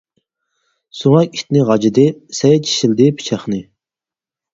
سۆڭەك ئىتنى غاجىدى، سەي چىشلىدى پىچاقنى.